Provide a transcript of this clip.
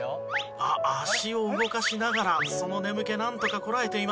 足を動かしながらその眠気なんとかこらえています。